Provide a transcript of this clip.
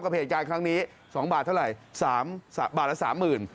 เหตุการณ์ครั้งนี้๒บาทเท่าไหร่สามบาทละสามหมื่น